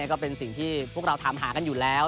ก็เป็นสิ่งที่พวกเราถามหากันอยู่แล้ว